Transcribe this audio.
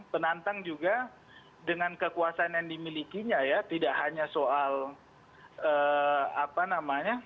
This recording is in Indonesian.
penantang juga dengan kekuasaan yang dimilikinya ya